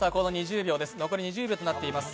残り２０秒となっています。